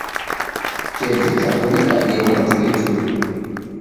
Kevika kunikabie mwatulituli.